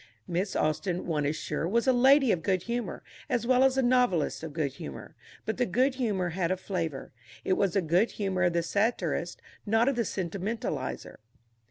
Miss Austen, one is sure, was a lady of good humour, as well as a novelist of good humour; but the good humour had a flavour. It was the good humour of the satirist, not of the sentimentalizer.